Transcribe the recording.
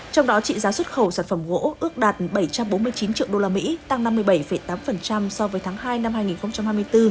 trong đó trị giá xuất khẩu sản phẩm gỗ ước đạt bảy trăm bốn mươi chín triệu usd tăng năm mươi bảy tám so với tháng hai năm hai nghìn hai mươi bốn